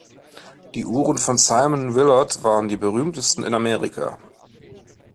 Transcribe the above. Die Uhren von Simon Willard waren die berühmtesten in Amerika.